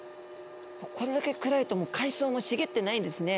これだけ暗いともう海草も茂ってないんですね。